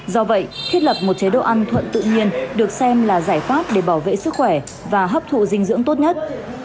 do vậy thiết lập một chế độ ăn thuận tự nhiên được xem là giải pháp để bảo vệ sức khỏe và hấp thụ dinh dưỡng tốt nhất